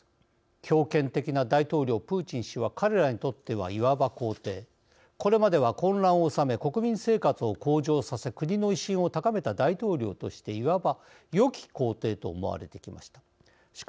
強権的な大統領、プーチン氏は彼らにとっては、いわば皇帝これまでは混乱を収め国民生活を向上させ国の威信を高めた大統領としていわば善き皇帝と思われてきました。